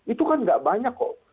itu kan gak banyak kok